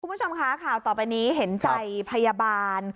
คุณผู้ชมคะข่าวต่อไปนี้เห็นใจพยาบาล